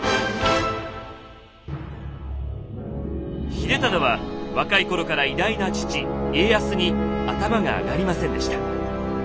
秀忠は若い頃から偉大な父・家康に頭が上がりませんでした。